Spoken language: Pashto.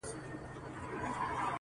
وه ه سم شاعر دي اموخته کړم.